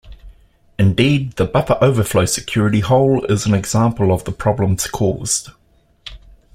Indeed, the buffer overflow security hole is an example of the problems caused.